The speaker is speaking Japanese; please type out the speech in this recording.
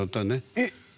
えっ！